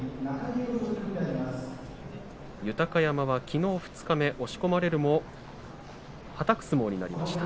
豊山は、きのう二日目押し込まれるもはたく相撲になりました。